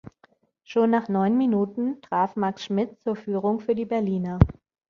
Schon nach neun Minuten traf Max Schmidt zur Führung für die Berliner.